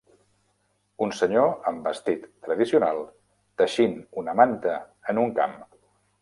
Un senyor amb vestit tradicional teixint una manta en un camp.